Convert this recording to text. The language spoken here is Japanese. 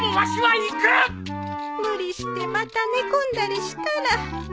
無理してまた寝込んだりしたら。